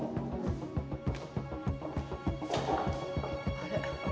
あれ？